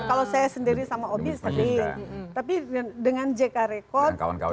kalau saya sendiri sama obi tapi dengan jk rekod